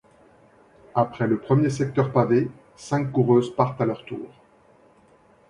Après le premier secteur pavés, cinq coureuses partent à leur tour.